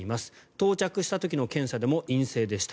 到着した時の検査でも陰性でした。